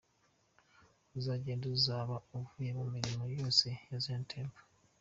Uzagenda azaba avuye mu mirimo yose ya Zion Temple.